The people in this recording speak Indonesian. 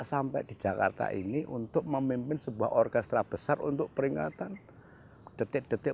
sampai di jakarta ini untuk memimpin sebuah orkestra besar untuk peringatan detik detik